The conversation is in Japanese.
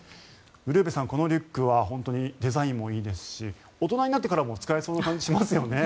ウルヴェさん、このリュックは本当にデザインもいいですし大人になってからも使えそうな感じしますよね。